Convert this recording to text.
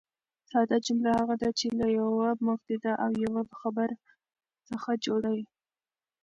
ساده جمله هغه ده، چي له یوه مبتداء او یوه خبر څخه جوړه يي.